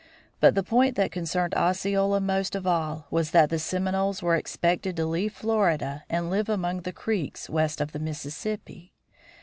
But the point that concerned Osceola most of all was that the Seminoles were expected to leave Florida and live among the Creeks west of the Mississippi!